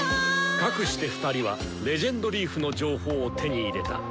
かくして２人は「レジェンドリーフ」の情報を手に入れた。